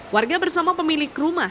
warga bersama pemilik rumah